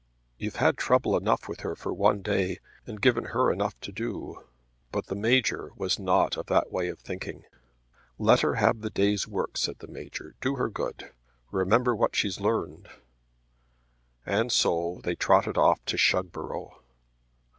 "You've had trouble enough with her for one day, and given her enough to do." But the Major was not of that way of thinking. "Let her have the day's work," said the Major. "Do her good. Remember what she's learned." And so they trotted off to Shugborough.